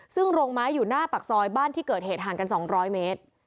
ซึ่งโรงไม้อยู่หน้าปากซอยบ้านที่เกิดเหตุห่างกัน๒๐๐เมตร